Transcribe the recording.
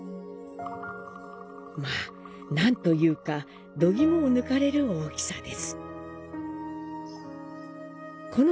まあ、何というか、どぎもを抜かれる大きさです。